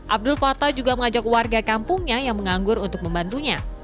abdul fatah juga mengajak warga kampungnya yang menganggur untuk membantunya